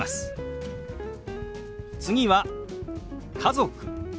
次は「家族」。